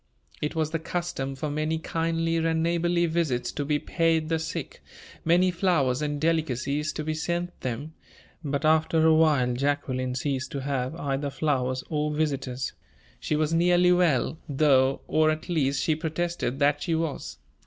It was the custom for many kindly and neighborly visits to be paid the sick, many flowers and delicacies to be sent them; but after a while Jacqueline ceased to have either flowers or visitors. She was nearly well, though, or at least she protested that she was.